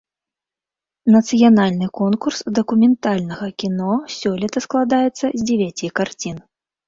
Нацыянальны конкурс дакументальнага кіно сёлета складаецца з дзевяці карцін.